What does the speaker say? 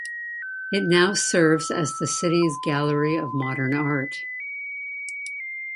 It now serves as the city's Gallery of Modern Art.